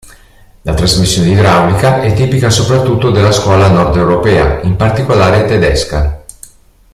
La trasmissione idraulica è tipica soprattutto della "scuola nord-europea", in particolare tedesca.